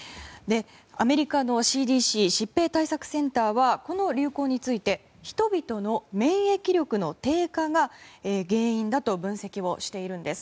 アメリカのＣＤＣ・疾病対策センターはこの流行について人々の免疫力の低下が原因だと分析をしているんです。